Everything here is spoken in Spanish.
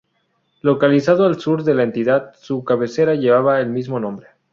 Localizado al sur de la entidad, su cabecera lleva el mismo nombre.